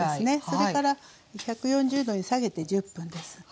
それから１４０℃に下げて１０分です。